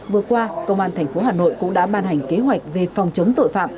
vừa qua công an tp hà nội cũng đã ban hành kế hoạch về phòng chống tội phạm